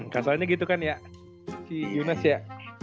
kasalnya gitu kan ya si junas ya